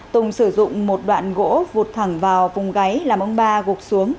tùng sử dụng một đoạn gỗ vụt thẳng vào vùng gáy làm ông ba gục xuống